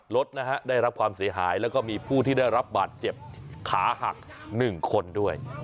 รถนะฮะได้รับความเสียหายแล้วก็มีผู้ที่ได้รับบาดเจ็บขาหัก๑คนด้วย